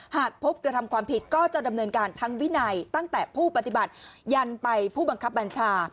หากพบกระทำความผิดก็จะดำเนินการทั้งวินัยตั้งแต่ผู้ปฏิบัติยันไปผู้บังคับบัญชา